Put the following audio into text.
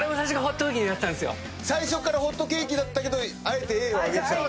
最初からホットケーキだったけどあえてＡを挙げてた。